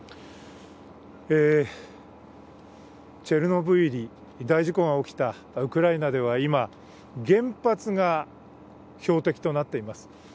チェルノブイリ、大事故が起きたウクライナでは今、原発が標的となっています。